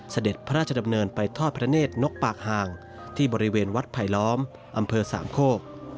เสด็จพระราชดำเนินไปทอดพระเนธนกปากห่างที่บริเวณวัดไผลล้อมอำเภอสามโคก